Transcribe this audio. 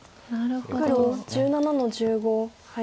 黒１７の十五ハイ。